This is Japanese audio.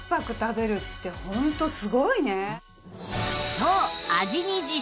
そう